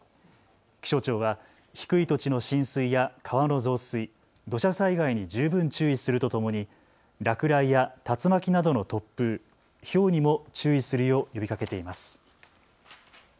気象庁は低い土地の浸水や川の増水、土砂災害に十分注意するとともに落雷や竜巻などの突風、ひょうにも注意するよう呼びかけています。